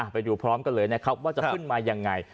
ไปดูพร้อมกันเลยนะครับว่าจะขึ้นมายังไง